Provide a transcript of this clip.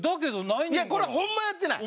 いやこれホンマやってない。